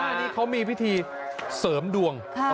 อันนี้เขามีพิธีเสริมดวง